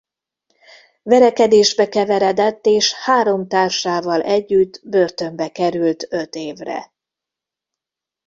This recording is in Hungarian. Verekedésbe keveredett és három társával együtt börtönbe került öt évre.